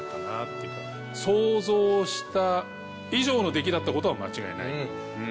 想像した以上の出来だった事は間違いない。